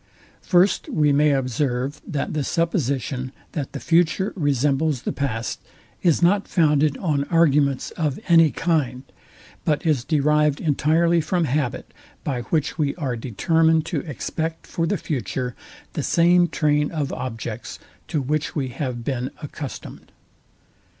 First we may observe, that the supposition, that the future resembles the past, is not founded on arguments of any kind, but is derived entirely from habit, by which we are determined to expect for the future the same train of objects, to which we have been accustomed.